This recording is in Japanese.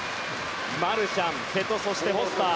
マルシャン、瀬戸そしてフォスター